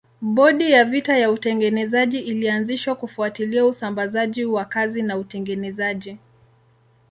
Bodi ya vita ya utengenezaji ilianzishwa kufuatilia usambazaji wa kazi na utengenezaji.